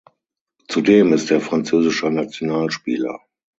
Zudem ist er französischer Nationalspieler.